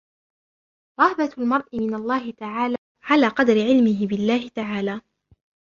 رَهْبَةُ الْمَرْءِ مِنْ اللَّهِ تَعَالَى عَلَى قَدْرِ عِلْمِهِ بِاَللَّهِ تَعَالَى